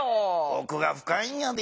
おくがふかいんやで。